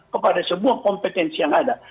kepada sebuah kompetensi yang ada